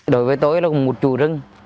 đối với tôi là một chủ rừng